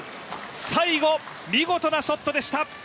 最後、見事なショットでした。